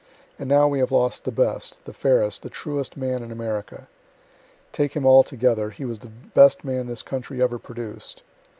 And now we have lost the best, the fairest, the truest man in America. Take him altogether, he was the best man this country ever produced.